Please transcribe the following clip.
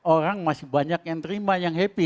orang masih banyak yang terima yang happy